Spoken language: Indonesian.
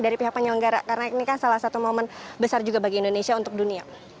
dari pihak penyelenggara karena ini kan salah satu momen besar juga bagi indonesia untuk dunia